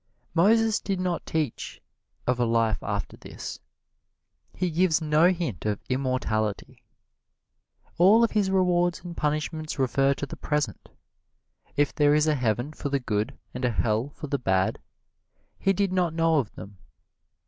Moses did not teach of a life after this he gives no hint of immortality all of his rewards and punishments refer to the present. If there is a heaven for the good and a hell for the bad, he did not know of them.